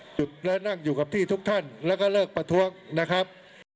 จุดและนั่งอยู่กับที่ทุกท่านแล้วก็เลิกประท้วงนะครับ